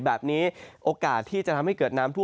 โอกาสที่จะทำให้เกิดน้ำท่วม